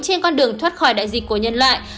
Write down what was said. trên con đường thoát khỏi đại dịch của nhân loại